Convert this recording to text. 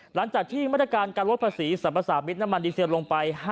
หลังจากที่มาตรการการลดภาษีสรรพสามิตรน้ำมันดีเซลลงไป